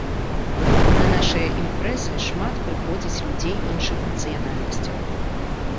На нашыя імпрэзы шмат прыходзіць людзей іншых нацыянальнасцяў.